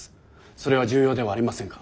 それは重要ではありませんか？